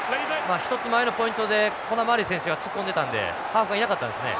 １つ前のポイントでコナーマリー選手が突っ込んでたんでハーフがいなかったんですね。